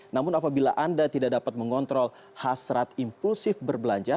namun apabila anda tidak dapat mengontrol hasrat impulsif berbelanja